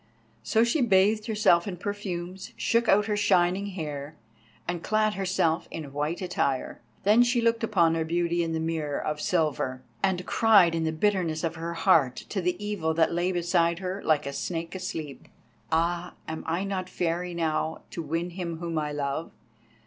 So she bathed herself in perfumes, shook out her shining hair, and clad herself in white attire. Then she looked upon her beauty in the mirror of silver, and cried in the bitterness of her heart to the Evil that lay beside her like a snake asleep. "Ah, am I not fair enow to win him whom I love?